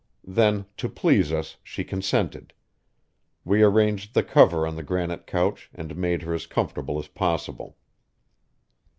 Then, to please us, she consented; we arranged the cover on the granite couch and made her as comfortable as possible.